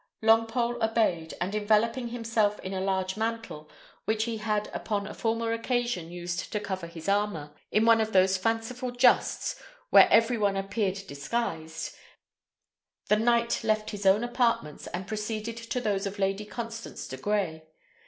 Longpole obeyed; and enveloping himself in a large mantle, which he had upon a former occasion used to cover his armour, in one of those fanciful justs where every one appeared disguised, the knight left his own apartments, and proceeded to those of Lady Constance de Grey.